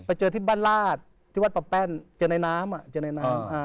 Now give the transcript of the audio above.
ไปเจอที่บ้านราชที่วัดปะแป้นเจอในน้ำเจอในน้ำ